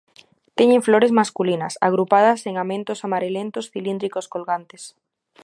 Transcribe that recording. Teñen flores masculinas agrupadas en amentos amarelentos cilíndricos colgantes.